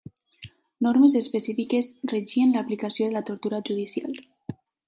Normes específiques regien l'aplicació de la tortura judicial.